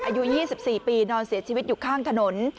อายุ๒๔ปีนอนเสียชีวิตอยู่ข้างถนน